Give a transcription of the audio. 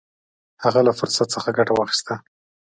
هغه له فرصت څخه ګټه واخیسته.